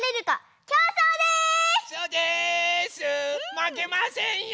まけませんよ！